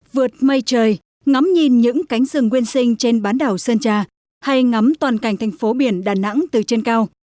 vượt mây trời ngắm nhìn những cánh rừng nguyên sinh trên bán đảo sơn trà hay ngắm toàn cảnh thành phố biển đà nẵng từ trên cao